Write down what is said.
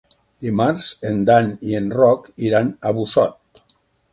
Dimarts en Dan i en Roc iran a Busot.